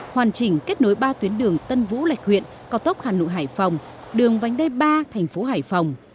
hoàn chỉnh kết nối ba tuyến đường tân vũ lạch huyện cao tốc hà nội hải phòng đường vánh đê ba thành phố hải phòng